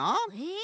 え！